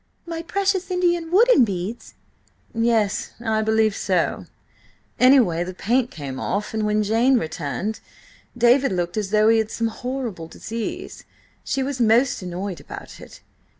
"My precious Indian wooden beads!" "Yes–I believe so. Anyway, the paint came off, and when Jane returned, David looked as though he had some horrible disease. She was most annoyed about it."